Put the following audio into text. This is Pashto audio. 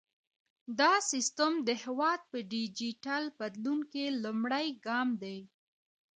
دا سیستم د هیواد په ډیجیټل بدلون کې لومړی ګام دی۔